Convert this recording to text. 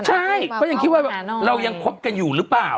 ใช่ก็ยังคิดว่าเรายังคบกันอยู่หรือเปล่า